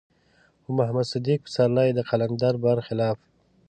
خو محمد صديق پسرلی د قلندر بر خلاف.